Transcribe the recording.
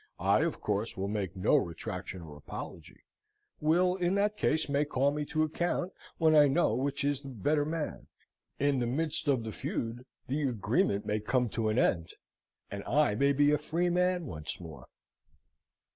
I, of course, will make no retraction or apology. Will, in that case, may call me to account, when I know which is the better man. In the midst of the feud, the agreement may come to an end, and I may be a free man once more."